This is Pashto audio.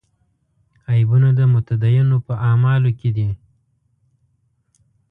عیبونه د متدینو په اعمالو کې دي.